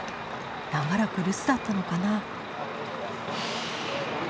長らく留守だったのかな。